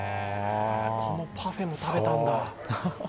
このパフェも食べたんだ。